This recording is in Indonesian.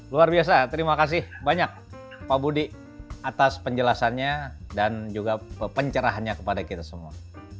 luar biasa terima kasih banyak pak budi atas penjelasannya dan juga pencerahannya kepada kita semua